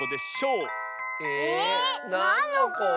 えなんのこ？